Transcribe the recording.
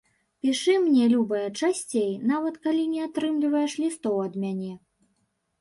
Пішы мне, любая, часцей, нават калі не атрымліваеш лістоў ад мяне.